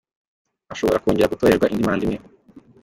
Ashobora kongera gutorerwa indi manda imwe”.